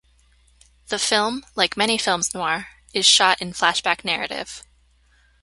The film, like many films noir, is shot in flashback narrative.